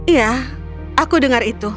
ya aku dengar itu